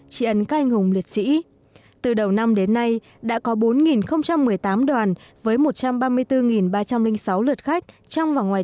chỉ ấn các anh hùng liệt sĩ từ đầu năm đến nay đã có bốn một mươi tám đoàn với một trăm ba mươi bốn ba trăm linh sáu lượt khách trong và ngoài